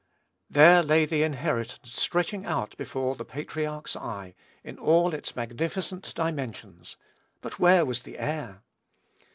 There lay the inheritance stretching out before the patriarch's eye, in all its magnificent dimensions; but where was the heir?